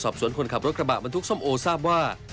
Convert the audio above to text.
คนขับรถกระบะบรรทุกส้มโอทราบว่า